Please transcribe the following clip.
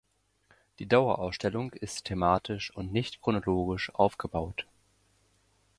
Die Dauerausstellung ist thematisch und nicht chronologisch aufgebaut.